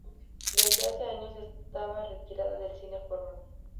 Desde hace años estaba retirada del cine porno.